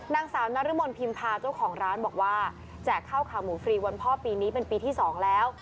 นางสาวนรมนพิมพาเจ้าของร้านบอกว่าแจกข้าวขาวหมูฟรีวันพ่อปีนี้เป็นปีที่๒แล้ว